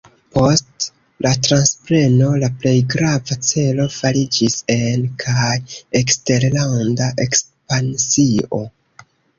Post la transpreno la plej grava celo fariĝis en- kaj eksterlanda ekspansio.